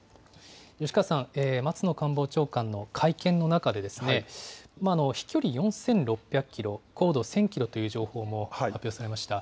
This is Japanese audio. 吉川さん、松野官房長官の会見の中で、飛距離４６００キロ、高度１０００キロという情報も発表されました。